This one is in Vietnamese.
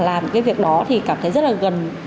làm cái việc đó thì cảm thấy rất là gần